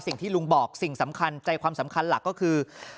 สิ่งที่ลุงบอกสิ่งสำคัญใจความสำคัญหลักก็คือ